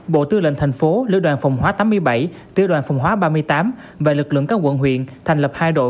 bộ tư lệnh thành phố lữ đoàn phòng hóa tám mươi bảy tiểu đoàn phòng hóa ba mươi tám và lực lượng các quận huyện thành lập hai đội